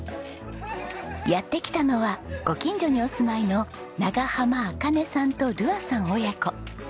やって来たのはご近所にお住まいの長濱あかねさんと琉愛さん親子。